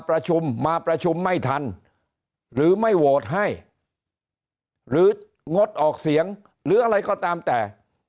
ประชุมมาประชุมไม่ทันหรือไม่โหวตให้หรืองดออกเสียงหรืออะไรก็ตามแต่